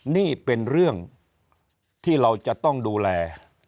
นี่เป็นเรื่องที่เราจะต้องดูแล